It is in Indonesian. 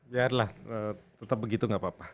biar lah tetep begitu gak apa apa